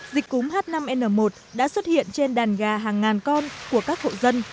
dịch cúm h năm n một đã xuất hiện trên đàn gà hàng ngàn con của các hộ dân